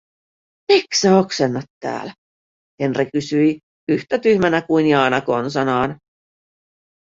"Miks sä oksennat tääl?", Henri kysyi yhtä tyhmänä kuin Jaana konsanaan.